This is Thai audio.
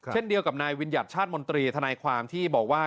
เช่นเดียวกับนายวิญญัติชาติมนตรีทนายความที่บอกว่า